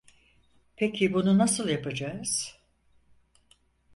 Peki bunu nasıl yapacağız?